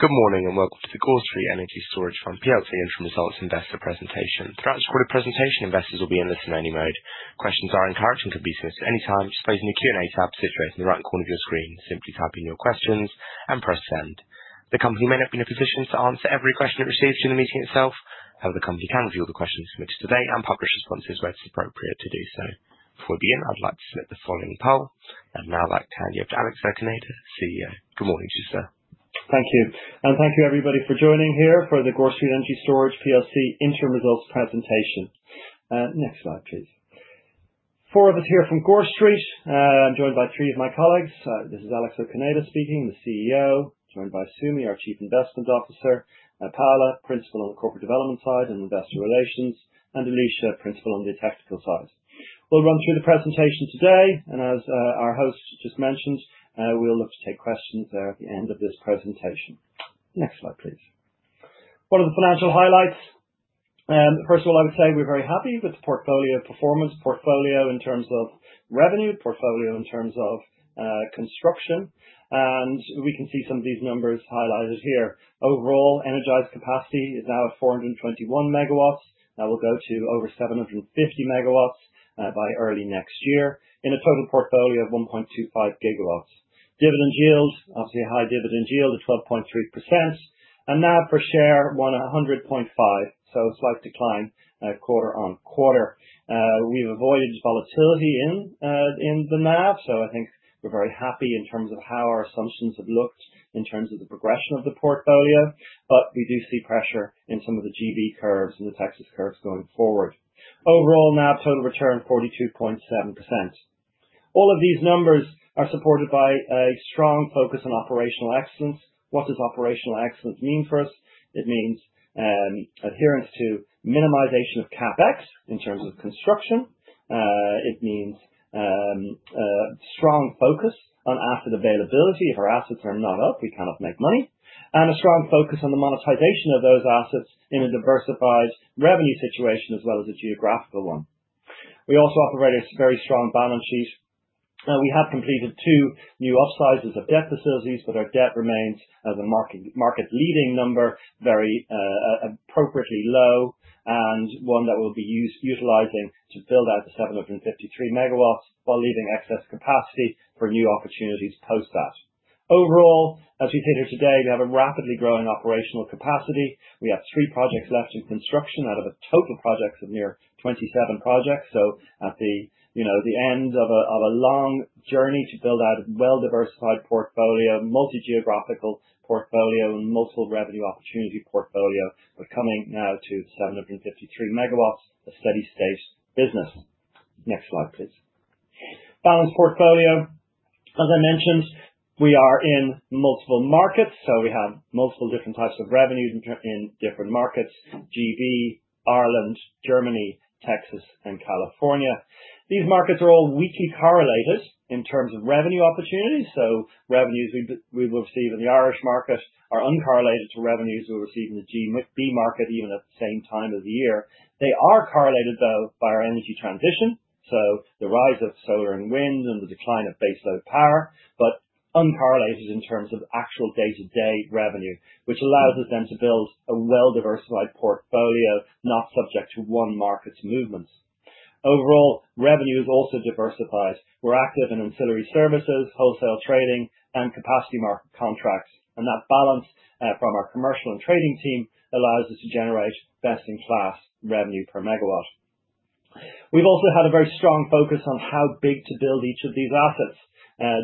Good morning. You're welcome to the Gore Street Energy Storage Fund plc Interim Results Investor Presentation. Throughout this recorded presentation, investors will be in listen-only mode. Questions are encouraged and can be submitted at any time, displayed in the Q&A tab, situated in the right corner of your screen. Simply type in your questions and press send. The company may not be in a position to answer every question it receives during the meeting itself; however, the company can review the questions submitted today and publish responses where it's appropriate to do so. Before we begin, I'd like to submit the following poll, and now that I'll hand you over to Alex O'Cinneide, CEO. Good morning, Sir. Thank you. And thank you, everybody, for joining here for the Gore Street Energy Storage Fund plc Interim Results Presentation. Next slide, please. Four of us here from Gore Street. I'm joined by three of my colleagues. This is Alex O'Cinneide speaking, the CEO, joined by Sumi, our Chief Investment Officer, Paula, Principal on the Corporate Development side and Investor Relations, and Alicja, Principal on the Technical side. We'll run through the presentation today, and as our host just mentioned, we'll look to take questions there at the end of this presentation. Next slide, please. One of the financial highlights. First of all, I would say we're very happy with the portfolio performance, portfolio in terms of revenue, portfolio in terms of construction, and we can see some of these numbers highlighted here. Overall, energized capacity is now at 421 MW. That will go to over 750 MW by early next year in a total portfolio of 1.25 GW. Dividend yield, obviously a high dividend yield of 12.3%. NAV per share 100.5, so a slight decline quarter on quarter. We've avoided volatility in the NAV, so I think we're very happy in terms of how our assumptions have looked in terms of the progression of the portfolio, but we do see pressure in some of the GB curves and the Texas curves going forward. Overall, NAV total return 42.7%. All of these numbers are supported by a strong focus on operational excellence. What does operational excellence mean for us? It means adherence to minimization of CapEx in terms of construction. It means strong focus on asset availability. If our assets are not up, we cannot make money. A strong focus on the monetization of those assets in a diversified revenue situation as well as a geographical one. We also operate a very strong balance sheet. We have completed two new upsizes of debt facilities, but our debt remains as a market-leading number, very appropriately low, and one that we'll be utilizing to build out the 753 MW while leaving excess capacity for new opportunities post that. Overall, as we sit here today, we have a rapidly growing operational capacity. We have three projects left in construction out of a total projects of near 27 projects, so at the end of a long journey to build out a well-diversified portfolio, multi-geographical portfolio, and multiple revenue opportunity portfolio, we're coming now to 753 MW, a steady-state business. Next slide, please. Balance portfolio. As I mentioned, we are in multiple markets, so we have multiple different types of revenue in different markets: GB, Ireland, Germany, Texas, and California. These markets are all weakly correlated in terms of revenue opportunities, so revenues we will receive in the Irish market are uncorrelated to revenues we'll receive in the GB market even at the same time of the year. They are correlated, though, by our energy transition, so the rise of solar and wind and the decline of base load power, but uncorrelated in terms of actual day-to-day revenue, which allows us then to build a well-diversified portfolio not subject to one market's movements. Overall, revenue is also diversified. We're active in ancillary services, wholesale trading, and Capacity Market contracts, and that balance from our commercial and trading team allows us to generate best-in-class revenue per megawatt. We've also had a very strong focus on how big to build each of these assets.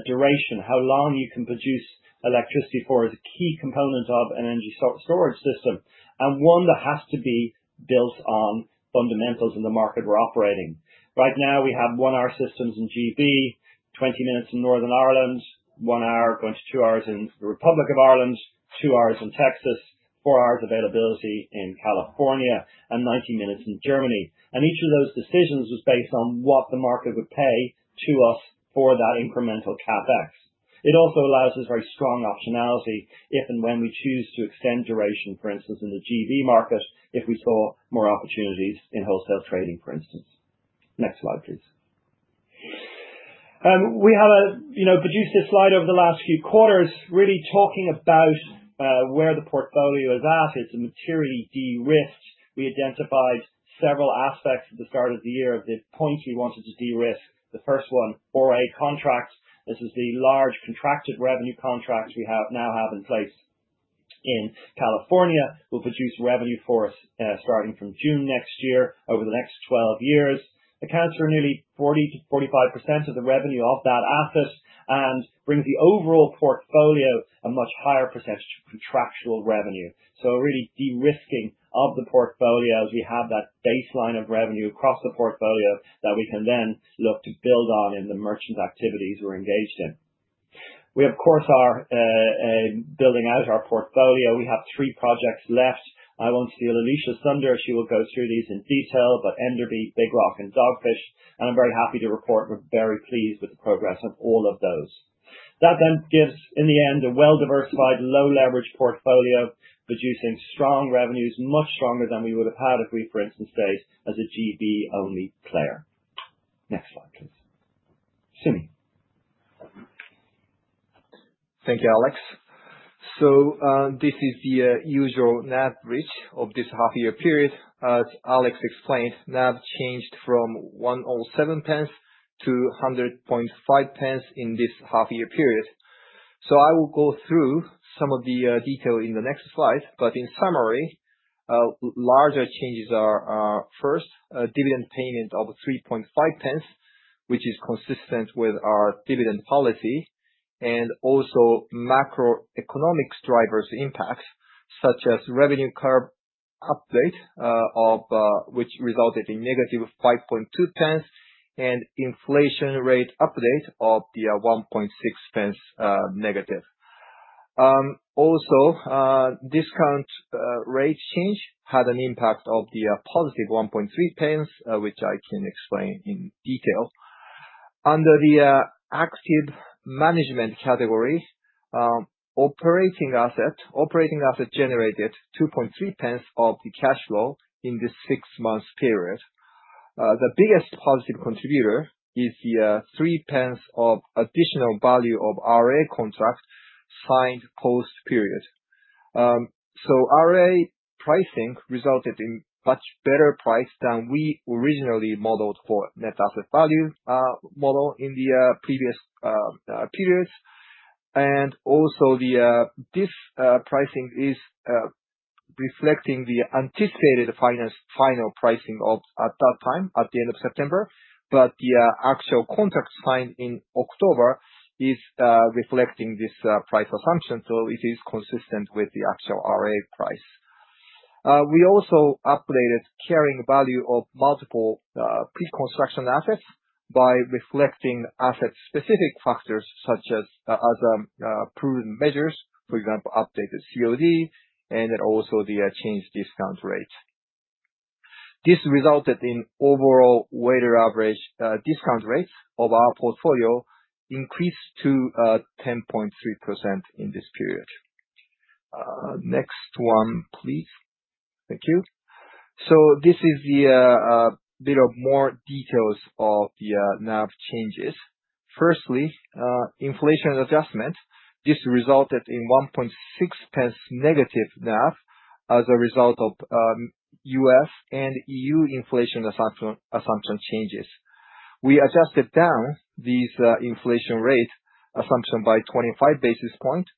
Duration, how long you can produce electricity for is a key component of an energy storage system, and one that has to be built on fundamentals in the market we're operating. Right now, we have one hour systems in GB, 20 minutes in Northern Ireland, one hour going to two hours in the Republic of Ireland, two hours in Texas, four hours availability in California, and 90 minutes in Germany. And each of those decisions was based on what the market would pay to us for that incremental CapEx. It also allows us very strong optionality if and when we choose to extend duration, for instance, in the GB market if we saw more opportunities in wholesale trading, for instance. Next slide, please. We have produced this slide over the last few quarters, really talking about where the portfolio is at. It's a materially de-risked. We identified several aspects at the start of the year of the points we wanted to de-risk. The first one, RA contracts. This is the large contracted revenue contracts we now have in place in California. We'll produce revenue for us starting from June next year over the next 12 years. Accounts for nearly 40%-45% of the revenue of that asset and brings the overall portfolio a much higher percentage of contractual revenue. So really de-risking of the portfolio as we have that baseline of revenue across the portfolio that we can then look to build on in the merchant activities we're engaged in. We, of course, are building out our portfolio. We have three projects left. I won't steal Alicja's thunder. She will go through these in detail, but Enderby, Big Rock, and Dogfish. And I'm very happy to report we're very pleased with the progress of all of those. That then gives, in the end, a well-diversified, low-leverage portfolio producing strong revenues, much stronger than we would have had if we, for instance, stayed as a GB-only player. Next slide, please. Sumi. Thank you, Alex. So this is the usual NAV bridge of this half-year period. As Alex explained, NAV changed from 1.07-1.005 in this half-year period. So I will go through some of the detail in the next slides, but in summary, larger changes are first, dividend payment of 0.035, which is consistent with our dividend policy, and also macroeconomic drivers' impact, such as revenue curve update, which resulted in -0.052, and inflation rate update of the 1.6 pence negative. Also, discount rate change had an impact of the +0.013, which I can explain in detail. Under the active management category, operating asset generated 0.023 of the cash flow in this six-month period. The biggest positive contributor is the 0.03 of additional value of RA contract signed post period. RA pricing resulted in a much better price than we originally modeled for net asset value model in the previous periods. And also, this pricing is reflecting the anticipated final pricing at that time, at the end of September, but the actual contract signed in October is reflecting this price assumption, so it is consistent with the actual RA price. We also updated carrying value of multiple pre-construction assets by reflecting asset-specific factors such as proven measures, for example, updated COD, and then also the change discount rate. This resulted in overall weighted average discount rates of our portfolio increased to 10.3% in this period. Next one, please. Thank you. This is a bit of more details of the NAV changes. Firstly, inflation adjustment. This resulted in 0.016 negative NAV as a result of U.S. and EU inflation assumption changes. We adjusted down these inflation rate assumptions by 25 basis points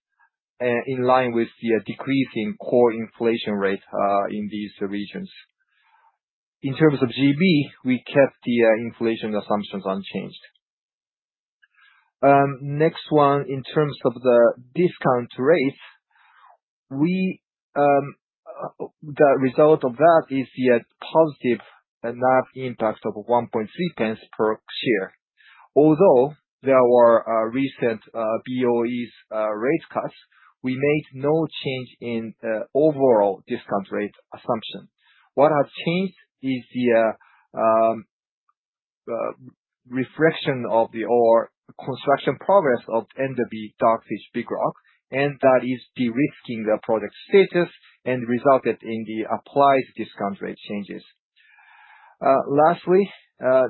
in line with the decrease in core inflation rate in these regions. In terms of GB, we kept the inflation assumptions unchanged. Next one, in terms of the discount rates, the result of that is the positive NAV impact of 0.013 per share. Although there were recent BoE's rate cuts, we made no change in overall discount rate assumption. What has changed is the reflection of the construction progress of Enderby, Dogfish, Big Rock, and that is de-risking the project status and resulted in the applied discount rate changes. Lastly,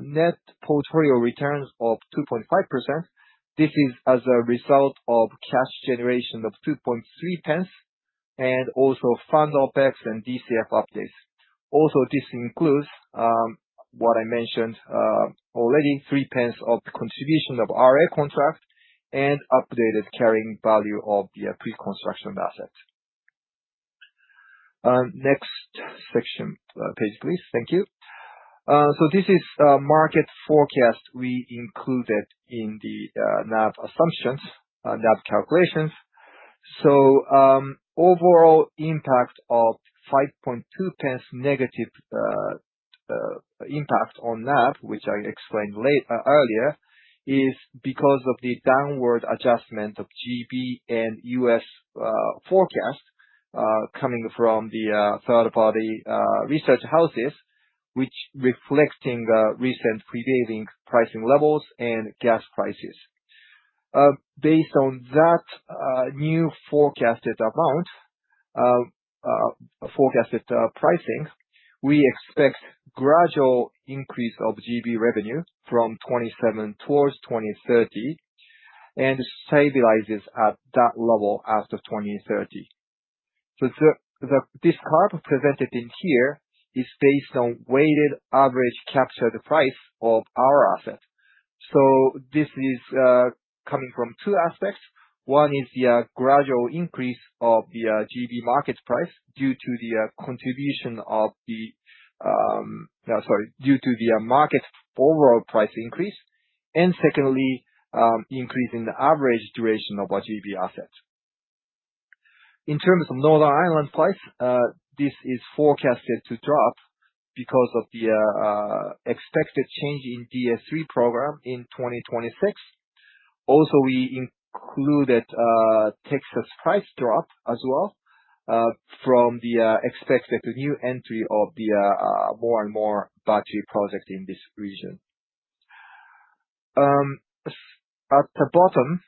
net portfolio returns of 2.5%. This is as a result of cash generation of 0.023 and also fund OpEx and DCF updates. Also, this includes what I mentioned already, 0.03 of contribution of RA contract and updated carrying value of the pre-construction asset. Next section, please. Thank you. So this is a market forecast we included in the NAV assumptions, NAV calculations. So overall impact of 0.052 negative impact on NAV, which I explained earlier, is because of the downward adjustment of GB and U.S. forecast coming from the third-party research houses, which reflecting recent prevailing pricing levels and gas prices. Based on that new forecasted amount, forecasted pricing, we expect gradual increase of GB revenue from 2027 towards 2030 and stabilizes at that level after 2030. So this curve presented in here is based on weighted average captured price of our asset. So this is coming from two aspects. One is the gradual increase of the GB market price due to the contribution of the, sorry, due to the market overall price increase, and secondly, increase in the average duration of our GB asset. In terms of Northern Ireland price, this is forecasted to drop because of the expected change in DS3 program in 2026. Also, we included Texas price drop as well from the expected new entry of the more and more battery project in this region. At the bottom,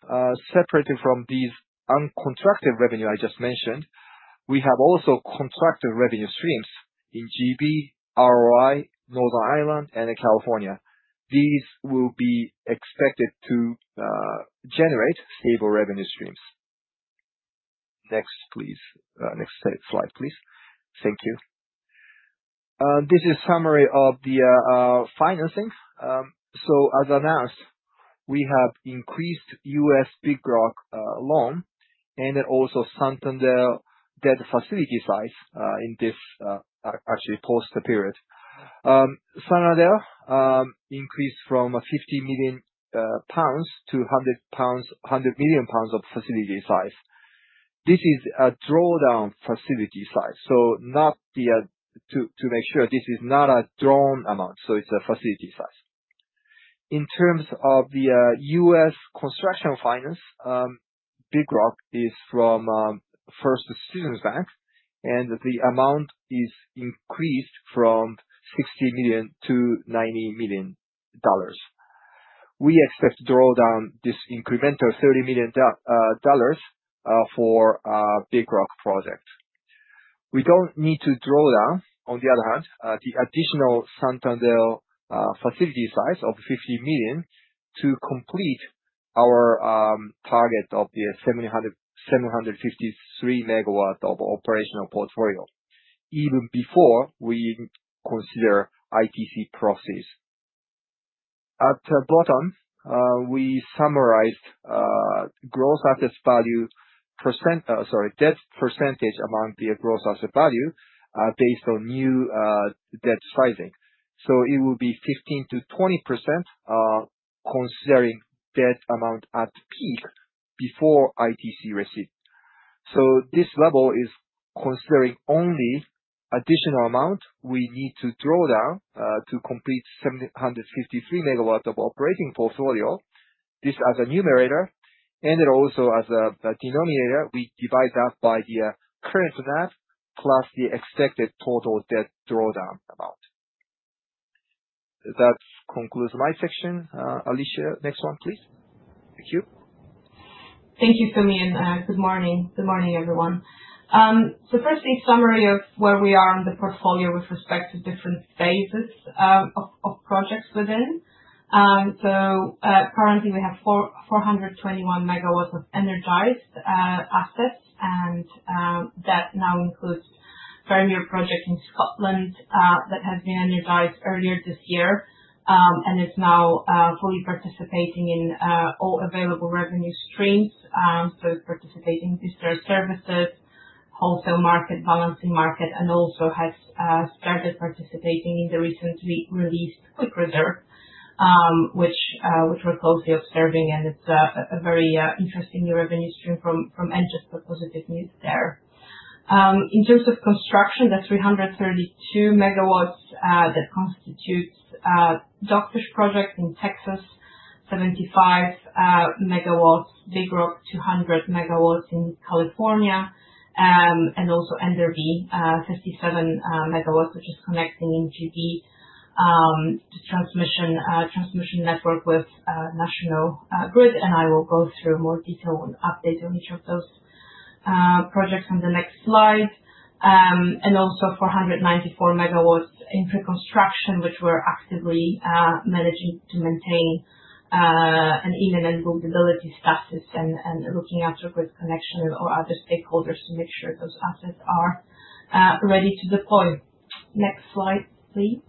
separated from these uncontracted revenue I just mentioned, we have also contracted revenue streams in GB, ROI, Northern Ireland, and California. These will be expected to generate stable revenue streams. Next, please. Next slide, please. Thank you. This is a summary of the financing. As announced, we have increased U.S. Big Rock loan and then also Santander debt facility size in this actually post period. Santander increased from 50 million pounds to 100 million pounds of facility size. This is a drawdown facility size, so not the, to make sure this is not a drawn amount, so it's a facility size. In terms of the U.S. construction finance, Big Rock is from First Citizens Bank, and the amount is increased from $60 million to $90 million. We expect to draw down this incremental $30 million for Big Rock project. We don't need to draw down, on the other hand, the additional Santander facility size of $50 million to complete our target of the 753 MW of operational portfolio, even before we consider ITC proceeds. At the bottom, we summarized gross asset value percent, sorry, debt percentage among the gross asset value based on new debt sizing. So it will be 15%-20% considering debt amount at peak before ITC receipt. So this level is considering only additional amount we need to draw down to complete 753 MW of operating portfolio. This as a numerator, and then also as a denominator, we divide that by the current NAV, plus the expected total debt drawdown amount. That concludes my section. Alicja, next one, please. Thank you. Thank you, Sumi. And good morning. Good morning, everyone. So first, a summary of where we are on the portfolio with respect to different phases of projects within. So currently, we have 421 MW of energized assets, and that now includes Ferrymuir project in Scotland that has been energized earlier this year and is now fully participating in all available revenue streams. So it's participating in ancillary services, wholesale market, balancing market, and also has started participating in the recently released Quick Reserve, which we're closely observing. And it's a very interesting new revenue stream from NGESO, but positive news there. In terms of construction, that's 332 MW that constitutes Dogfish project in Texas, 75 MW, Big Rock 200 MW in California, and also Enderby, 57 MW, which is connecting in GB to transmission network with National Grid. I will go through more detail and update on each of those projects on the next slide. Also, 494 MW in pre-construction, which we're actively managing to maintain an investability status and looking after grid connections and other stakeholders to make sure those assets are ready to deploy. Next slide, please.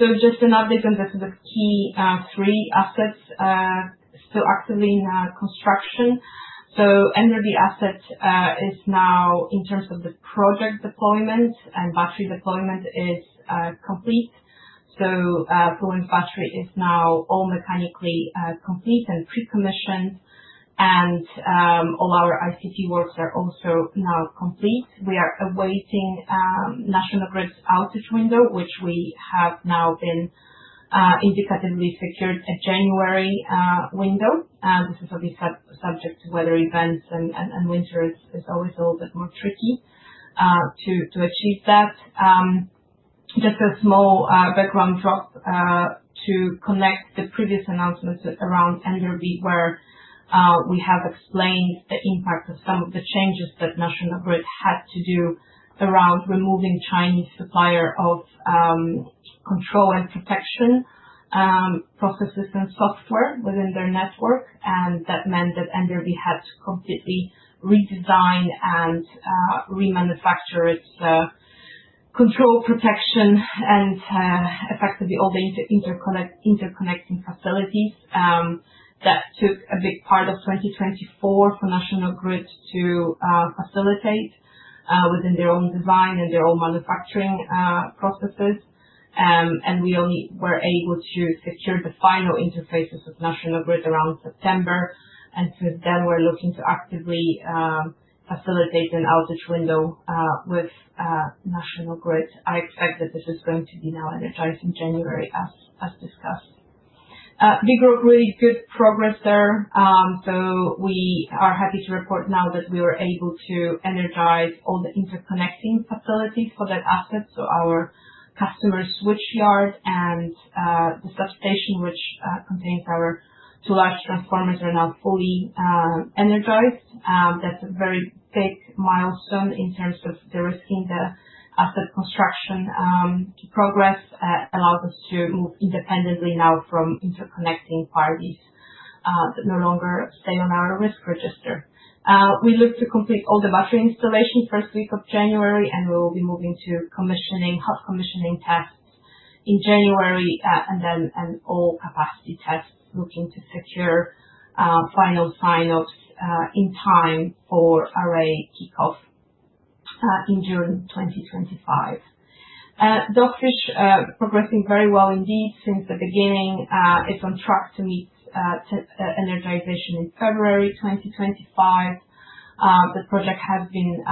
Just an update on the sort of key three assets still actively in construction. The Enderby asset is now, in terms of the project deployment and battery deployment, complete. Fluence's battery is now all mechanically complete and pre-commissioned, and all our ICT works are also now complete. We are awaiting National Grid's outage window, which we have now indicatively secured, a January window. This is obviously subject to weather events, and winter is always a little bit more tricky to achieve that. Just a small background drop to connect the previous announcements around Enderby, where we have explained the impact of some of the changes that National Grid had to do around removing Chinese supplier of control and protection processes and software within their network, and that meant that Enderby had to completely redesign and remanufacture its control protection and effectively all the interconnecting facilities. That took a big part of 2024 for National Grid to facilitate within their own design and their own manufacturing processes, and we only were able to secure the final interfaces with National Grid around September, and since then, we're looking to actively facilitate an outage window with National Grid. I expect that this is going to be now energized in January, as discussed. Big Rock, really good progress there. We are happy to report now that we were able to energize all the interconnecting facilities for that asset. Our customer switchyard and the substation, which contains our two large transformers, are now fully energized. That's a very big milestone in terms of de-risking the asset construction progress. It allows us to move independently now from interconnecting parties that no longer stay on our risk register. We look to complete all the battery installation first week of January, and we will be moving to hot commissioning tests in January and then an all-capacity test looking to secure final sign-offs in time for RA kickoff in June 2025. Dogfish, progressing very well indeed since the beginning. It's on track to meet energization in February 2025. The project has been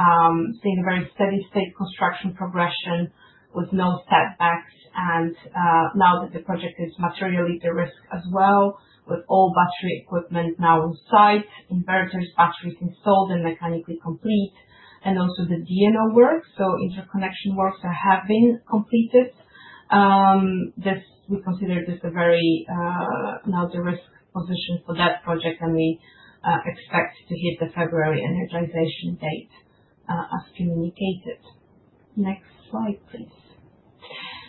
seeing a very steady state construction progression with no setbacks. Now that the project is materially de-risked as well, with all battery equipment now on site, inverters, batteries installed and mechanically complete, and also the DNO work, so interconnection works, have been completed. We consider this now a very de-risked position for that project, and we expect to hit the February energization date as communicated. Next slide, please.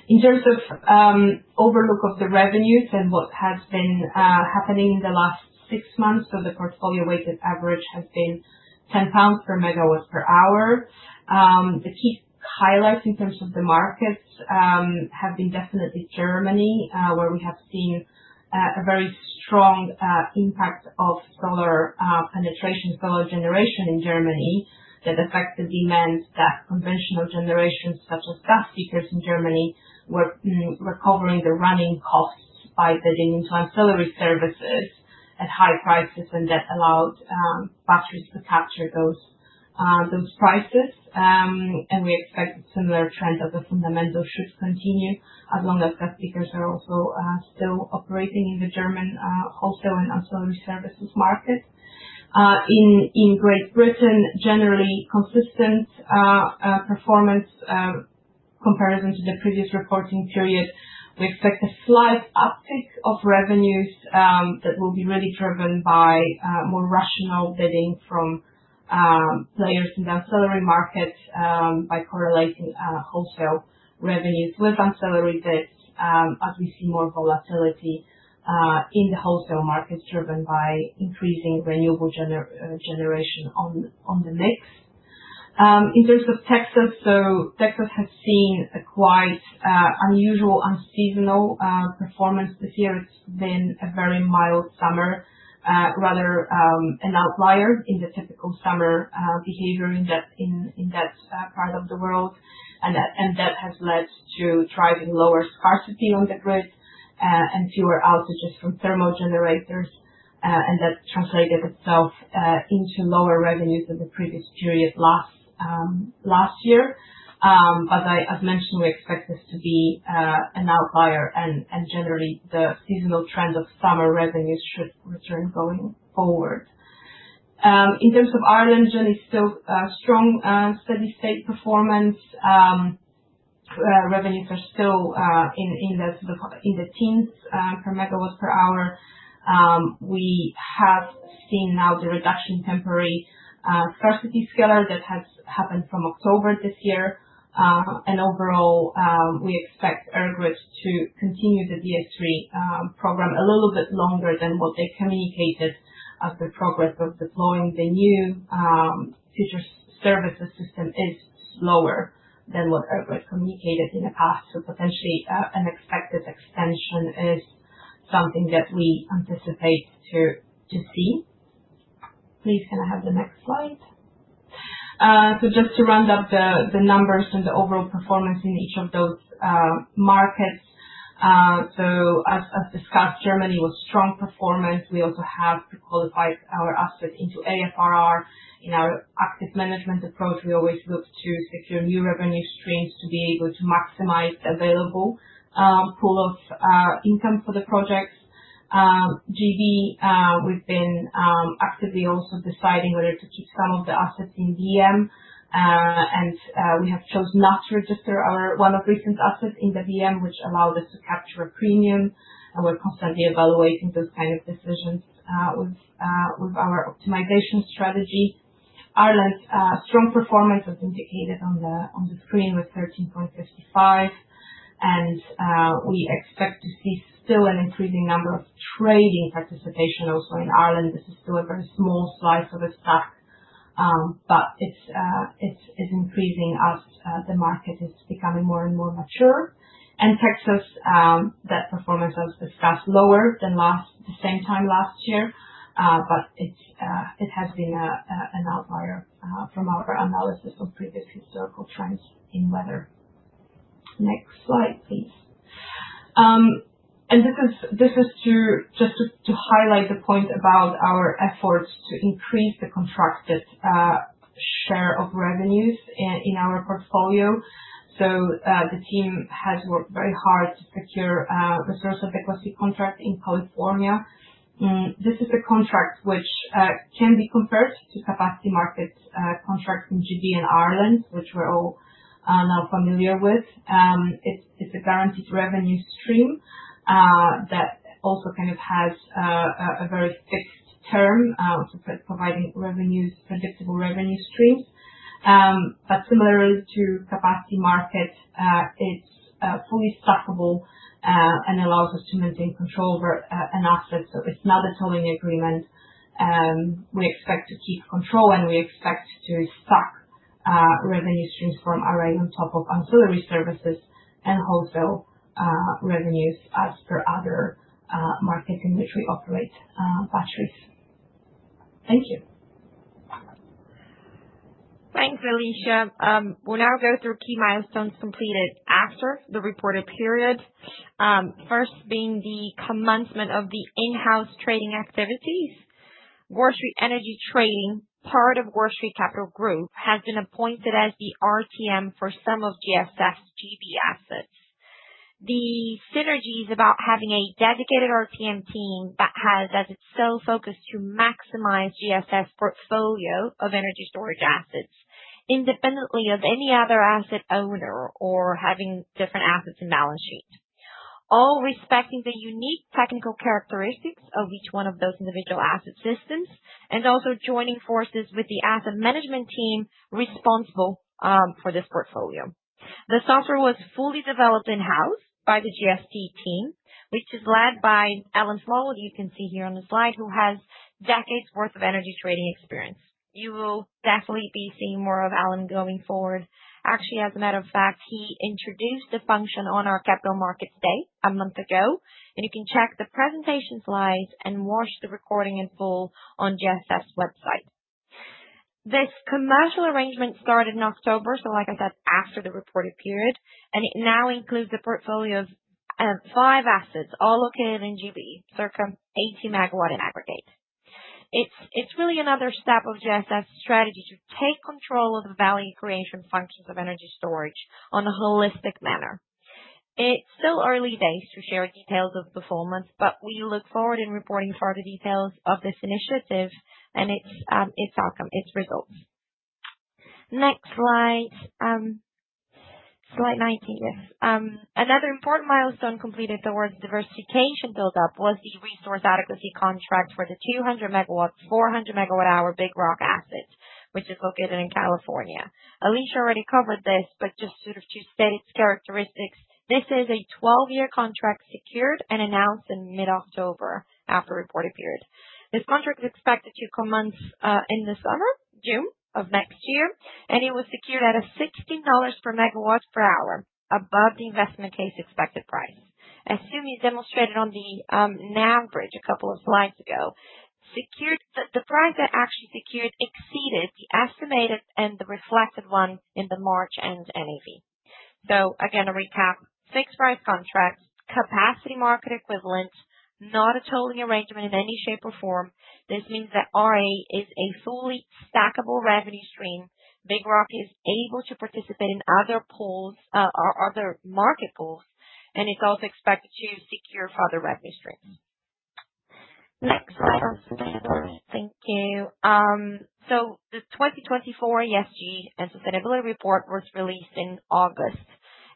In terms of overview of the revenues and what has been happening in the last six months, so the portfolio weighted average has been 10 pounds per megawatt per hour. The key highlights in terms of the markets have been definitely Germany, where we have seen a very strong impact of solar penetration, solar generation in Germany that affected demands that conventional generation such as gas peakers in Germany were recovering the running costs by bidding into ancillary services at high prices, and that allowed batteries to capture those prices. We expect a similar trend as the fundamental should continue as long as gas peakers are also still operating in the German wholesale and ancillary services market. In Great Britain, generally consistent performance compared to the previous reporting period. We expect a slight uptick of revenues that will be really driven by more rational bidding from players in the ancillary market by correlating wholesale revenues with ancillary bids as we see more volatility in the wholesale markets driven by increasing renewable generation on the mix. In terms of Texas, so Texas has seen a quite unusual, unseasonal performance this year. It's been a very mild summer, rather an outlier in the typical summer behavior in that part of the world. And that has led to driving lower scarcity on the grid and fewer outages from thermal generators. That translated itself into lower revenues in the previous period last year. As mentioned, we expect this to be an outlier and generally the seasonal trend of summer revenues should return going forward. In terms of Ireland, generally still strong steady state performance. Revenues are still in the teens per megawatt per hour. We have seen now the reduction temporary scarcity scalar that has happened from October this year. Overall, we expect EirGrid to continue the DS3 program a little bit longer than what they communicated as the progress of deploying the new future services system is slower than what EirGrid communicated in the past. Potentially an expected extension is something that we anticipate to see. Please, can I have the next slide? Just to round up the numbers and the overall performance in each of those markets. As discussed, Germany was strong performance. We also have pre-qualified our asset into AFRR in our active management approach. We always look to secure new revenue streams to be able to maximize the available pool of income for the projects. GB, we've been actively also deciding whether to keep some of the assets in BM. And we have chosen not to register one of recent assets in the BM, which allowed us to capture a premium. And we're constantly evaluating those kind of decisions with our optimization strategy. Ireland, strong performance as indicated on the screen with 13.55%. And we expect to see still an increasing number of trading participation also in Ireland. This is still a very small slice of a stack, but it's increasing as the market is becoming more and more mature. Texas, that performance as discussed, lower than the same time last year, but it has been an outlier from our analysis of previous historical trends in weather. Next slide, please. This is just to highlight the point about our efforts to increase the contracted share of revenues in our portfolio. The team has worked very hard to secure the Resource Adequacy contract in California. This is a contract which can be compared to Capacity Market contract in GB and Ireland, which we're all now familiar with. It's a guaranteed revenue stream that also kind of has a very fixed term for providing predictable revenue streams. Similarly to Capacity Market, it's fully stackable and allows us to maintain control over an asset. It's not a tolling agreement. We expect to keep control and we expect to stack revenue streams from RA on top of ancillary services and wholesale revenues as per other markets in which we operate batteries. Thank you. Thanks, Alicja. We'll now go through key milestones completed after the reported period. First being the commencement of the in-house trading activities. Gore Street Energy Trading, part of Gore Street Capital, has been appointed as the RTM for some of GSF GB assets. The synergy is about having a dedicated RTM team that has as itself focused to maximize GSF portfolio of energy storage assets independently of any other asset owner or having different assets in balance sheet. All respecting the unique technical characteristics of each one of those individual asset systems and also joining forces with the asset management team responsible for this portfolio. The software was fully developed in-house by the GST team, which is led by Alan Smallwood, you can see here on the slide, who has decades' worth of energy trading experience. You will definitely be seeing more of Alan going forward. Actually, as a matter of fact, he introduced the function on our Capital Markets Day a month ago. And you can check the presentation slides and watch the recording in full on GSF website. This commercial arrangement started in October, so like I said, after the reported period. And it now includes a portfolio of five assets, all located in GB, circa 80 MW in aggregate. It's really another step of GSF strategy to take control of the value creation functions of energy storage on a holistic manner. It's still early days to share details of performance, but we look forward in reporting further details of this initiative and its outcome, its results. Next slide. Slide 19, yes. Another important milestone completed towards diversification buildup was the resource adequacy contract for the 200 MW, 400 MWh Big Rock asset, which is located in California. Alicja already covered this, but just sort of to state its characteristics. This is a 12-year contract secured and announced in mid-October after reported period. This contract is expected to commence in the summer, June of next year, and it was secured at a $16 per megawatt per hour above the investment case expected price. As Sumi demonstrated on the NAV bridge a couple of slides ago, the price that actually secured exceeded the estimated and the reflected one in the March end NAV. So again, a recap, fixed price contracts, Capacity Market equivalent, not a tolling arrangement in any shape or form. This means that RA is a fully stackable revenue stream. Big Rock is able to participate in other pools or other market pools, and it's also expected to secure further revenue streams. Next slide, please. Thank you. The 2024 ESG and sustainability report was released in August,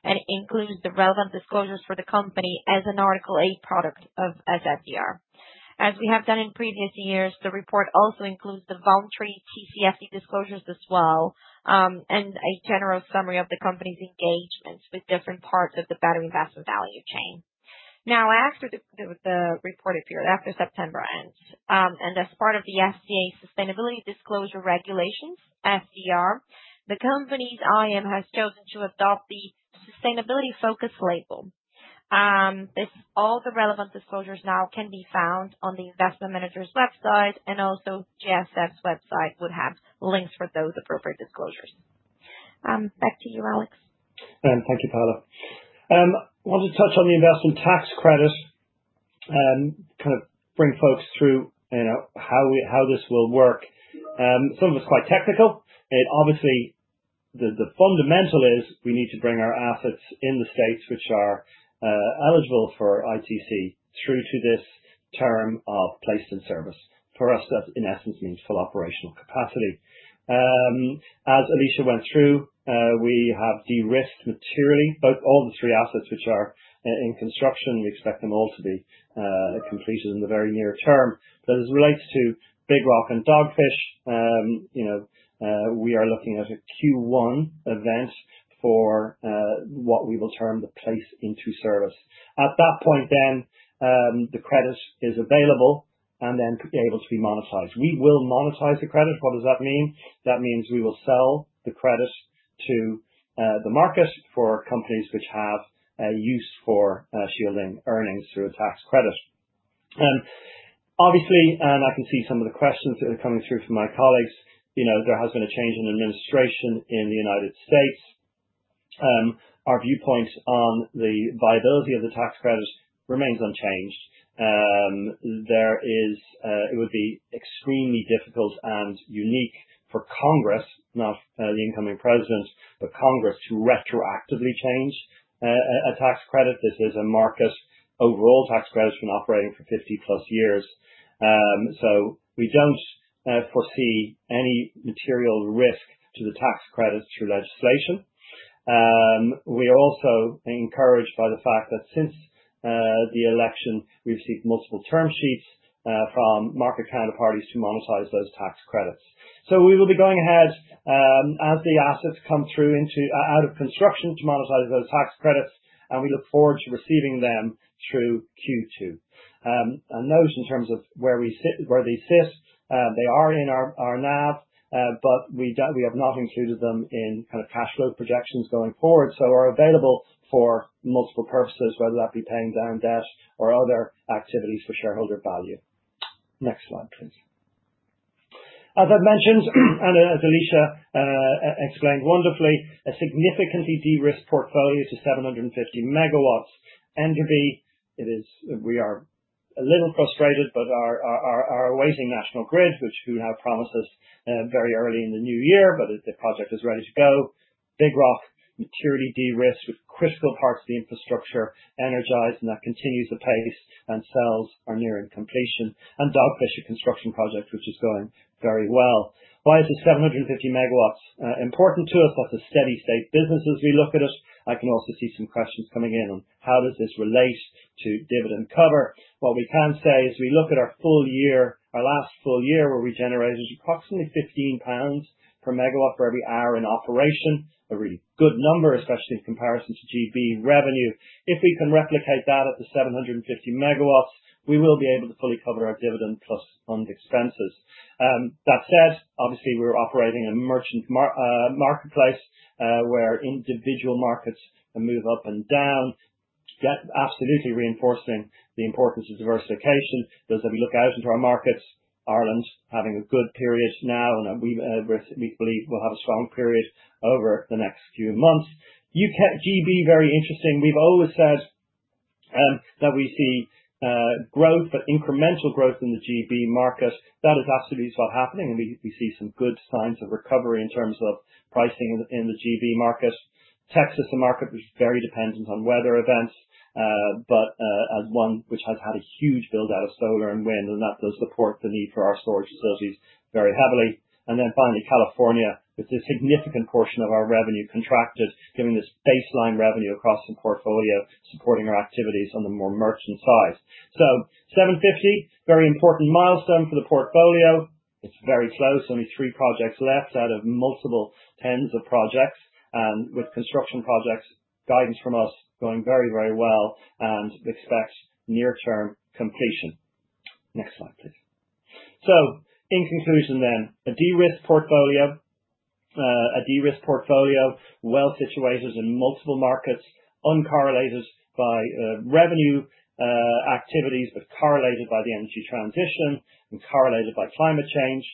and it includes the relevant disclosures for the company as an Article 8 product of SFDR. As we have done in previous years, the report also includes the voluntary TCFD disclosures as well, and a general summary of the company's engagements with different parts of the battery investment value chain. Now, after the reported period, after September ends, and as part of the FCA Sustainability Disclosure Regulations, SDR, the company's IM has chosen to adopt the Sustainability Focus label. All the relevant disclosures now can be found on the investment manager's website, and also GSF website would have links for those appropriate disclosures. Back to you, Alex. Thank you, Paula. I wanted to touch on the investment tax credit and kind of bring folks through how this will work. Some of it's quite technical. Obviously, the fundamental is we need to bring our assets in the states which are eligible for ITC through to this term of placed in service. For us, that in essence means full operational capacity. As Alicja went through, we have de-risked materially both all the three assets which are in construction. We expect them all to be completed in the very near term. But as it relates to Big Rock and Dogfish, we are looking at a Q1 event for what we will term the placed in service. At that point, then the credit is available and then able to be monetized. We will monetize the credit. What does that mean? That means we will sell the credit to the market for companies which have a use for shielding earnings through a tax credit. Obviously, and I can see some of the questions that are coming through from my colleagues, there has been a change in administration in the United States. Our viewpoint on the viability of the tax credit remains unchanged. It would be extremely difficult and unique for Congress, not the incoming president, but Congress to retroactively change a tax credit. This is an overall market tax credit that has been operating for 50+ years. So we don't foresee any material risk to the tax credit through legislation. We are also encouraged by the fact that since the election, we've received multiple term sheets from market counterparties to monetize those tax credits. So we will be going ahead as the assets come through out of construction to monetize those tax credits, and we look forward to receiving them through Q2. And those in terms of where they sit, they are in our NAV, but we have not included them in kind of cash flow projections going forward. So we're available for multiple purposes, whether that be paying down debt or other activities for shareholder value. Next slide, please. As I've mentioned, and as Alicja explained wonderfully, a significantly de-risked portfolio to 750 MW. Enderby, we are a little frustrated, but are awaiting National Grid, which we have been promised very early in the new year, but the project is ready to go. Big Rock, materially de-risked with critical parts of the infrastructure energized, and that continues the pace and cells are nearing completion. And Dogfish, a construction project which is going very well. Why is this 750 MW important to us? That's a steady state business as we look at it. I can also see some questions coming in on how does this relate to dividend cover. What we can say is we look at our full year, our last full year, where we generated approximately 15 pounds per megawatt for every hour in operation, a really good number, especially in comparison to GB revenue. If we can replicate that at the 750 MW, we will be able to fully cover our dividend plus fund expenses. That said, obviously, we're operating in a merchant marketplace where individual markets move up and down, absolutely reinforcing the importance of diversification. Those that we look out into our markets, Ireland having a good period now, and we believe we'll have a strong period over the next few months. GB, very interesting. We've always said that we see growth, but incremental growth in the GB market. That is absolutely what's happening, and we see some good signs of recovery in terms of pricing in the GB market. Texas, a market which is very dependent on weather events, but as one which has had a huge buildout of solar and wind, and that does support the need for our storage facilities very heavily. And then finally, California, with a significant portion of our revenue contracted, giving this baseline revenue across the portfolio, supporting our activities on the more merchant side. So 750, very important milestone for the portfolio. It's very close, only three projects left out of multiple tens of projects, and with construction projects, guidance from us going very, very well, and expect near-term completion. Next slide, please. So in conclusion then, a de-risked portfolio, a de-risked portfolio, well situated in multiple markets, uncorrelated by revenue activities, but correlated by the energy transition and correlated by climate change.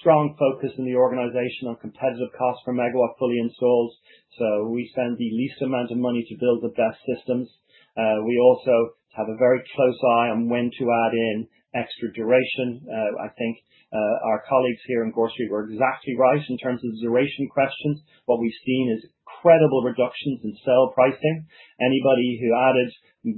Strong focus in the organization on competitive cost per megawatt fully installed. So we spend the least amount of money to build the best systems. We also have a very close eye on when to add in extra duration. I think our colleagues here in Gore Street were exactly right in terms of the duration questions. What we've seen is credible reductions in sale pricing. Anybody who added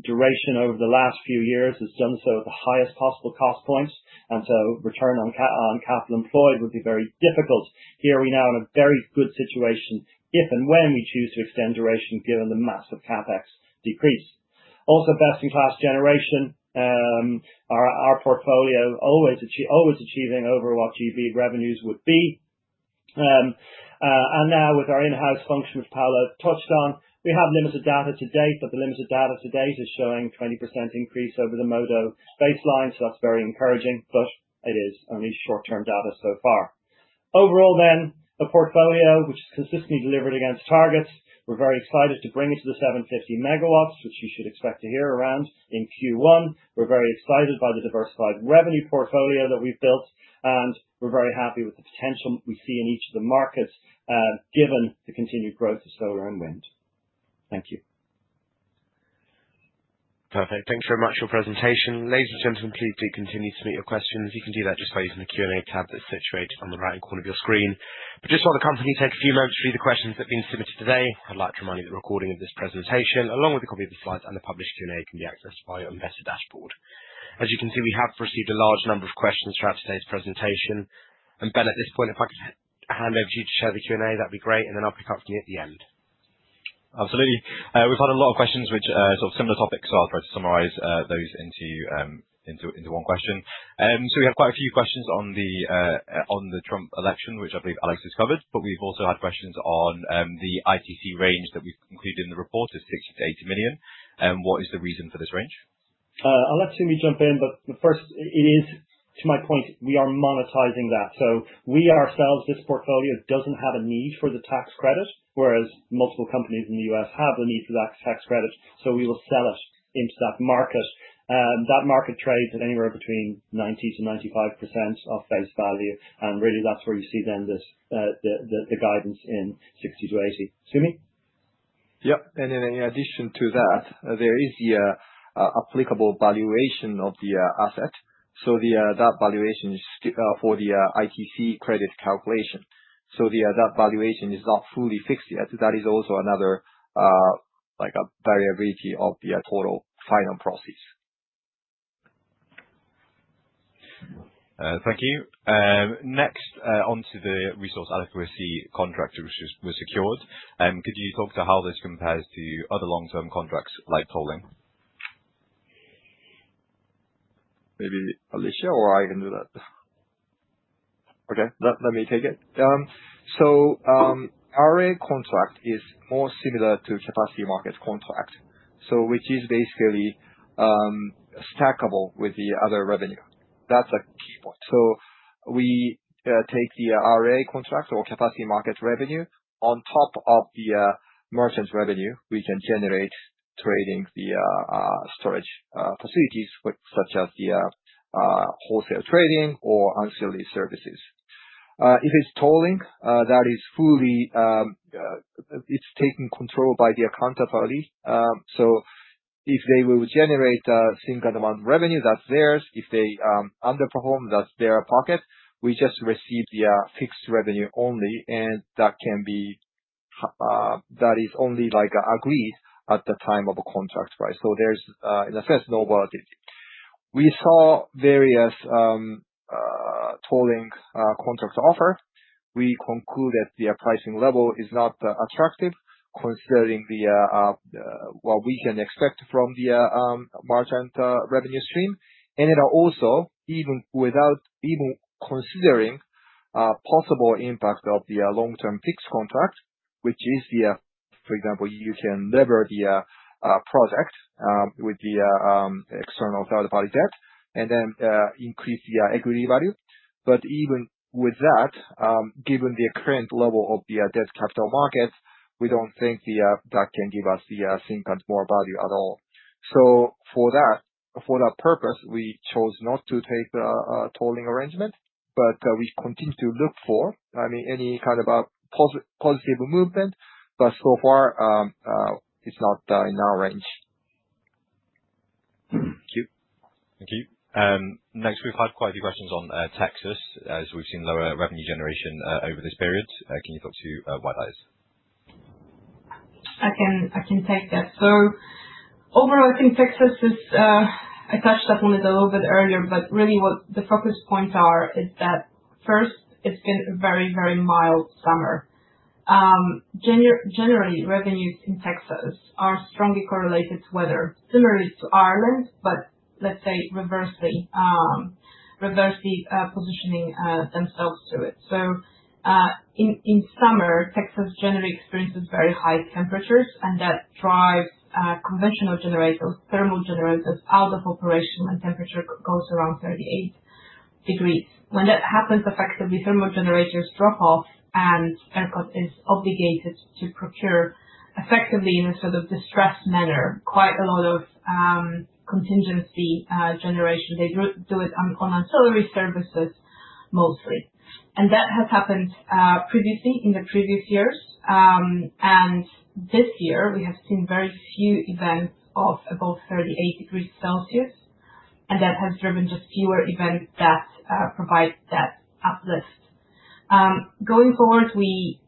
duration over the last few years has done so at the highest possible cost points. And so return on capital employed would be very difficult. Here we now are in a very good situation if and when we choose to extend duration given the massive CapEx decrease. Also, best-in-class generation. Our portfolio always achieving over what GB revenues would be. And now with our in-house function, which Paula touched on, we have limited data to date, but the limited data to date is showing a 20% increase over the Modo baseline, so that's very encouraging, but it is only short-term data so far. Overall then, the portfolio, which is consistently delivered against targets. We're very excited to bring it to the 750 MW, which you should expect to hear around in Q1. We're very excited by the diversified revenue portfolio that we've built, and we're very happy with the potential we see in each of the markets given the continued growth of solar and wind. Thank you. Perfect. Thanks very much for your presentation. Ladies and gentlemen, please do continue to submit your questions. You can do that just by using the Q&A tab that's situated on the right-hand corner of your screen. But just while the company takes a few moments to read the questions that have been submitted today, I'd like to remind you that the recording of this presentation, along with a copy of the slides and the published Q&A, can be accessed via your Investor Dashboard. As you can see, we have received a large number of questions throughout today's presentation, and Ben, at this point, if I could hand over to you to share the Q&A, that'd be great, and then I'll pick up from you at the end. Absolutely. We've had a lot of questions which are sort of similar topics, so I'll try to summarize those into one question. So we have quite a few questions on the Trump election, which I believe Alex has covered, but we've also had questions on the ITC range that we've included in the report as $60 million-$80 million. And what is the reason for this range? Alex, let me jump in, but first, it is to my point, we are monetizing that. So we ourselves, this portfolio doesn't have a need for the tax credit, whereas multiple companies in the U.S. have the need for that tax credit, so we will sell it into that market. That market trades at anywhere between 90%-95% of face value, and really that's where you see then the guidance in 60-80. Sumi? Yep. And in addition to that, there is the applicable valuation of the asset. So that valuation is for the ITC credit calculation. So that valuation is not fully fixed yet. That is also another variability of the total final proceeds. Thank you. Next, onto the resource adequacy contract which was secured. Could you talk to how this compares to other long-term contracts like tolling? Maybe Alicja or I can do that. Okay. Let me take it. So RA contract is more similar to Capacity Market contract, which is basically stackable with the other revenue. That's a key point. So we take the RA contract or Capacity Market revenue on top of the merchant revenue we can generate trading the storage facilities such as the wholesale trading or ancillary services. If it's tolling, that is fully taken control by the counterparty only. So if they will generate a single amount of revenue, that's theirs. If they underperform, that's their problem. We just receive the fixed revenue only, and that is only agreed at the time of a contract price. So there's, in a sense, no volatility. We saw various tolling contract offers. We concluded their pricing level is not attractive considering what we can expect from the merchant revenue stream. It also, even without considering the possible impact of the long-term fixed contract, for example, you can leverage the project with the external third-party debt and then increase the equity value. Even with that, given the current level of the debt capital market, we don't think that can give us significantly more value at all. For that purpose, we chose not to take a tolling arrangement, but we continue to look for, I mean, any kind of positive movement, but so far it's not in our range. Thank you. Next, we've had quite a few questions on Texas as we've seen lower revenue generation over this period. Can you talk to why that is? I can take that. So overall, I think Texas is. I touched upon it a little bit earlier, but really what the focus points are is that first, it's been a very, very mild summer. Generally, revenues in Texas are strongly correlated to weather, similarly to Ireland, but let's say reversely positioning themselves to it. So in summer, Texas generally experiences very high temperatures, and that drives conventional generators, thermal generators out of operation, and temperature goes around 38 degrees. When that happens, effectively, thermal generators drop off, and ERCOT is obligated to procure effectively in a sort of distressed manner quite a lot of contingency generation. They do it on ancillary services mostly. And that has happened previously in the previous years. And this year, we have seen very few events of above 38 degrees Celsius, and that has driven just fewer events that provide that uplift. Going forward, we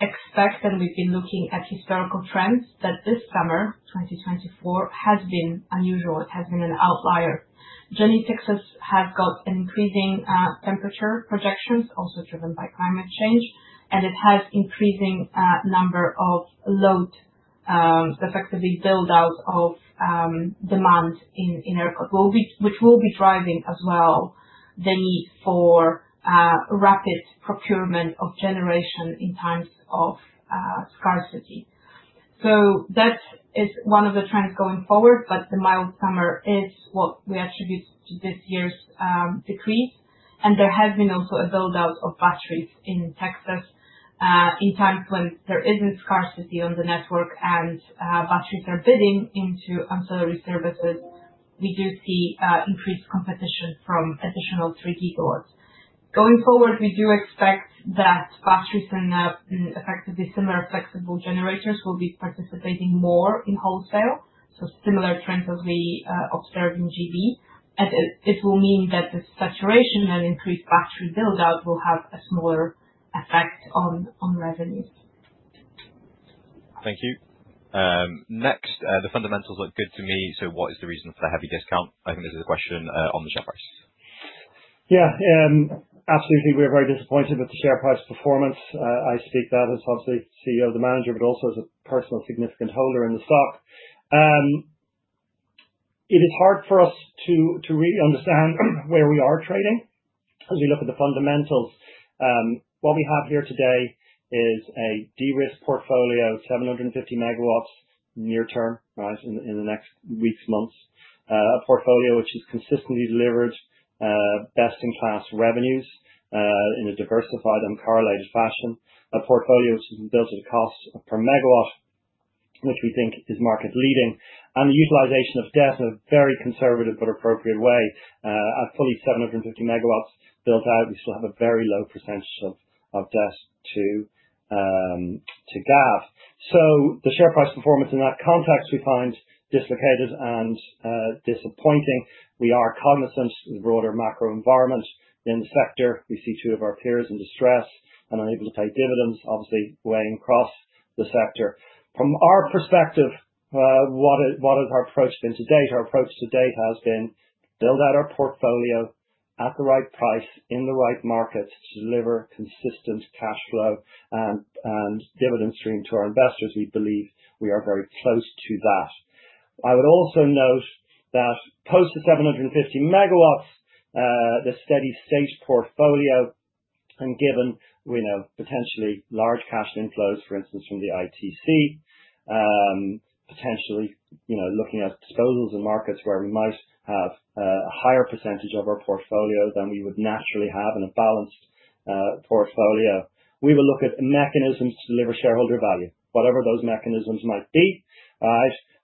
expect, and we've been looking at historical trends, that this summer, 2024, has been unusual. It has been an outlier. Generally, Texas has got an increasing temperature projections, also driven by climate change, and it has an increasing number of load, effectively buildout of demand in ERCOT, which will be driving as well the need for rapid procurement of generation in times of scarcity. So that is one of the trends going forward, but the mild summer is what we attribute to this year's decrease, and there has been also a buildout of batteries in Texas. In times when there isn't scarcity on the network and batteries are bidding into ancillary services, we do see increased competition from additional 3GW growers. Going forward, we do expect that batteries and effectively similar flexible generators will be participating more in wholesale, so similar trends as we observe in GB. It will mean that the saturation and increased battery buildout will have a smaller effect on revenues. Thank you. Next, the fundamentals look good to me. So what is the reason for the heavy discount? I think this is a question on the share price. Yeah. Absolutely. We're very disappointed with the share price performance. I speak that as obviously CEO of the manager, but also as a personal significant holder in the stock. It is hard for us to really understand where we are trading as we look at the fundamentals. What we have here today is a de-risked portfolio of 750 MW near-term, right, in the next weeks, months. A portfolio which has consistently delivered best-in-class revenues in a diversified and correlated fashion. A portfolio which has been built at a cost per megawatt, which we think is market-leading, and the utilization of debt in a very conservative but appropriate way. At fully 750 MW built out, we still have a very low percentage of debt to GAV. So the share price performance in that context we find dislocated and disappointing. We are cognizant of the broader macro environment in the sector. We see two of our peers in distress and unable to pay dividends, obviously weighing across the sector. From our perspective, what has our approach been to date? Our approach to date has been build out our portfolio at the right price in the right markets to deliver consistent cash flow and dividend stream to our investors. We believe we are very close to that. I would also note that post the 750 MW, the steady state portfolio, and given potentially large cash inflows, for instance, from the ITC, potentially looking at disposals and markets where we might have a higher percentage of our portfolio than we would naturally have in a balanced portfolio, we will look at mechanisms to deliver shareholder value, whatever those mechanisms might be.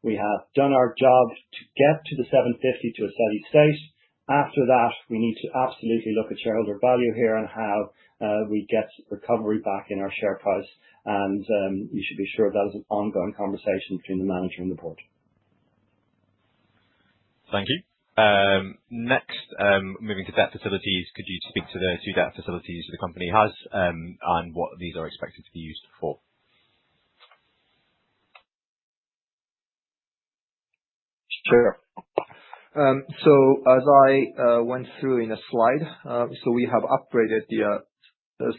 We have done our job to get to the 750 to a steady state. After that, we need to absolutely look at shareholder value here and how we get recovery back in our share price, and you should be sure that is an ongoing conversation between the manager and the board. Thank you. Next, moving to debt facilities, could you speak to the two debt facilities that the company has and what these are expected to be used for? Sure. So as I went through in a slide, so we have upgraded the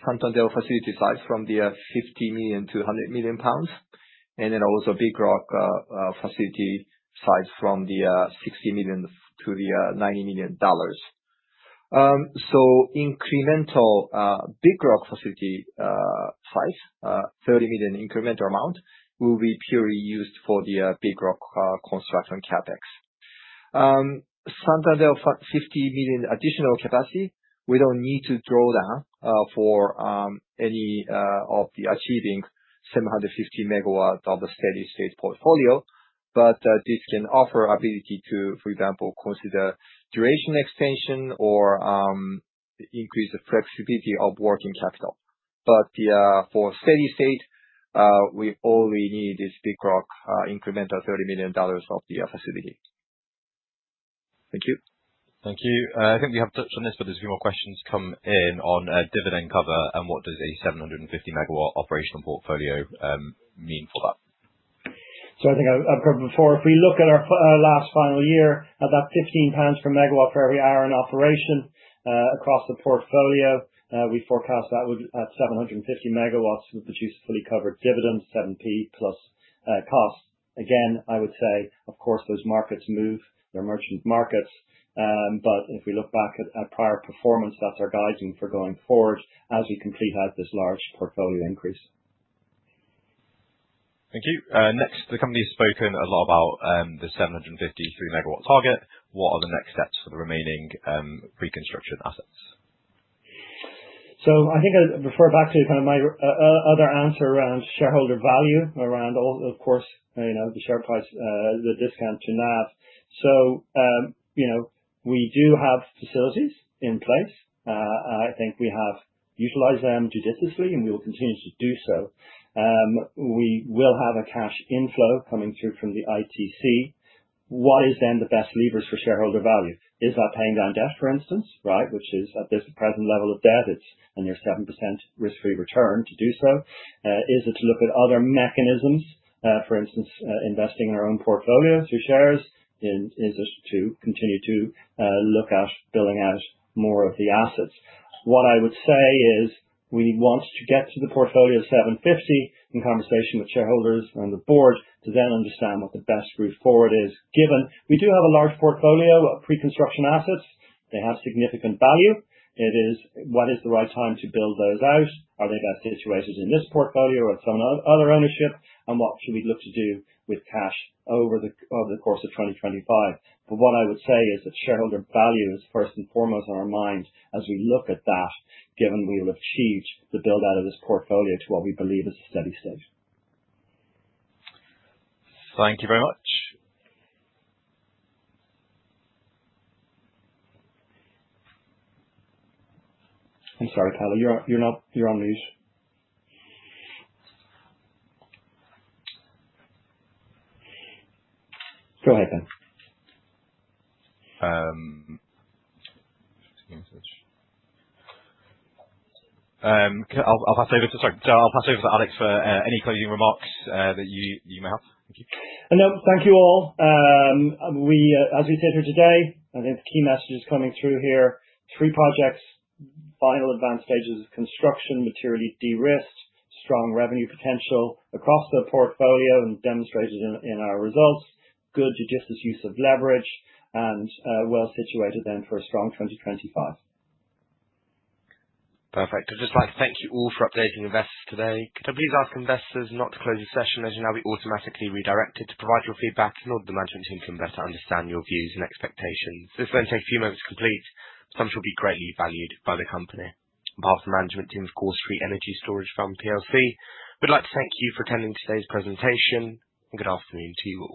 Santander facility size from 50 million to 100 million pounds. And then also Big Rock facility size from $60 million to $90 million. So incremental Big Rock facility size, $30 million incremental amount, will be purely used for the Big Rock construction CapEx. Santander $50 million additional capacity, we don't need to draw down for any of the achieving 750 MW of a steady state portfolio, but this can offer ability to, for example, consider duration extension or increase the flexibility of working capital. But for steady state, we only need this Big Rock incremental $30 million dollars of the facility. Thank you. Thank you. I think we have touched on this, but there's a few more questions come in on dividend cover and what does a 750 MW operational portfolio mean for that? I think I've covered before. If we look at our last financial year at that 15 pounds per megawatt for every hour in operation across the portfolio, we forecast that at 750 MW would produce a fully covered dividend, 7p plus cost. Again, I would say, of course, those markets move, they're merchant markets, but if we look back at prior performance, that's our guidance for going forward as we complete out this large portfolio increase. Thank you. Next, the company has spoken a lot about the 750 MW target. What are the next steps for the remaining pre-construction assets? I think I refer back to kind of my other answer around shareholder value, around, of course, the share price, the discount to NAV. We do have facilities in place. I think we have utilized them judiciously, and we will continue to do so. We will have a cash inflow coming through from the ITC. What is then the best levers for shareholder value? Is that paying down debt, for instance, right, which is at this present level of debt? It's a near 7% risk-free return to do so. Is it to look at other mechanisms, for instance, investing in our own portfolio through shares? Is it to continue to look at building out more of the assets? What I would say is we want to get to the portfolio of 750 in conversation with shareholders and the board to then understand what the best route forward is, given we do have a large portfolio of pre-construction assets. They have significant value. What is the right time to build those out? Are they best situated in this portfolio or at some other ownership? And what should we look to do with cash over the course of 2025? But what I would say is that shareholder value is first and foremost on our mind as we look at that, given we will achieve the buildout of this portfolio to what we believe is a steady state. Thank you very much. I'm sorry, Paula, you're not on mute. Go ahead, Ben. So I'll pass over to Alex for any closing remarks that you may have. Thank you. No, thank you all. As we sit here today, I think the key message is coming through here. Three projects, final advanced stages of construction, materially de-risked, strong revenue potential across the portfolio and demonstrated in our results, good logical use of leverage, and well situated then for a strong 2025. Perfect. I'd just like to thank you all for updating investors today. Could I please ask investors not to close the session as you now be automatically redirected to provide your feedback in order the management team can better understand your views and expectations? This will then take a few moments to complete. Submissions will be greatly valued by the company. On behalf of the management team of Gore Street Energy Storage Fund plc, we'd like to thank you for attending today's presentation. Good afternoon to you all.